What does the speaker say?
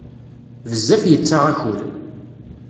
Bezzef yettaɣ akud.